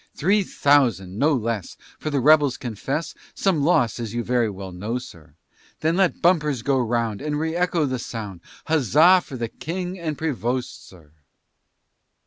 Three thousand! no less! For the rebels confess Some loss, as you very well know, sir. Then let bumpers go round, And reëcho the sound, Huzza for the King and Prevost, sir.